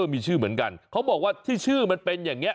มีชื่อเหมือนกันเขาบอกว่าที่ชื่อมันเป็นอย่างนี้